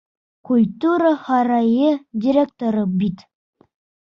Культура һарайы директоры бит.